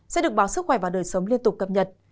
sẽ được báo sức khỏe và đời sống liên tục cập nhật